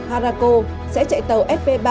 harako sẽ chạy tàu sb ba